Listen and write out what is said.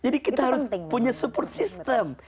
jadi kita harus punya support system